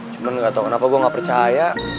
cuman gatau kenapa gue gak percaya